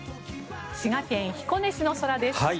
滋賀県彦根市の空です。